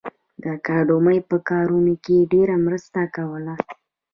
د اکاډمۍ په کارونو کې ډېره مرسته کوله